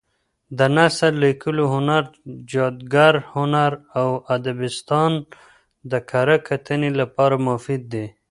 د نثر لیکلو هنر، جادګر هنر او ادبستان د کره کتنې لپاره مفید دي.